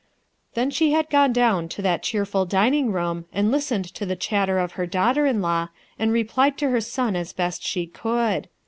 Then she had gone down to that cheerful dining room, and listened to the chatter of her daughter in law, and replied to her son as best she could.